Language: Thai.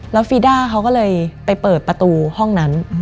แล้วฟีด้าเขาก็เลยไปเปิดประตูห้องนั้น